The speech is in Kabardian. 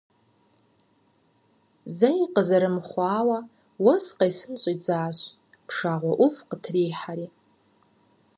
Зэи къызэрымыхъуауэ уэс къесын щӀидзащ, пшагъуэ Ӏув къытрихьэри.